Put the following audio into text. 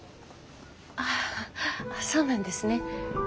あぁそうなんですね。